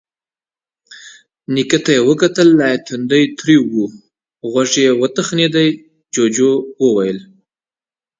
نيکه ته يې وکتل، لا يې ټنډه تروه وه. غوږ يې وتخڼېد، جُوجُو وويل: